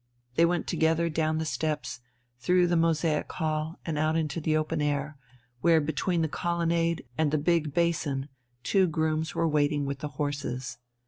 They went together down the steps, through the mosaic hall, and out into the open air, where between the colonnade and the big basin two grooms were waiting with the horses.